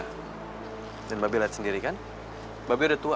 hai dan babi lihat sendiri kan babi udah tua